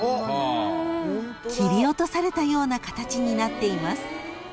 ［切り落とされたような形になっています］